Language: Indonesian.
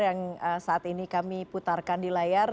yang saat ini kami putarkan di layar